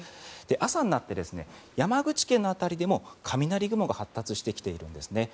朝になって山口県の辺りでも雷雲が発達してきているんですね。